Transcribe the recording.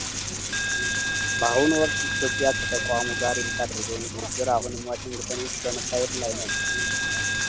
በአሁኑ ወቅት ኢትዮጵያ ከተቋሙ ጋር የምታደርገው ንግግር አሁንም ዋሽንግትን ውስጥ በመካሄድ ላይ ነው።